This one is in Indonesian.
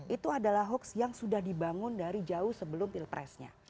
itu adalah hoax yang sudah dibangun dari jauh sebelum pilpresnya